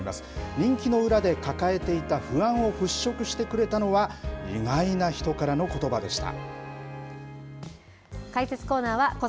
人気の裏で抱えていた不安を払拭してくれたのは、意外な人からのことばでした。